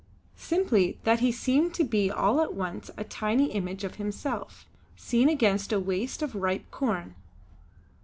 "Simply, that he seemed to be all at once a tiny image of himself, seen against a waste of ripe corn."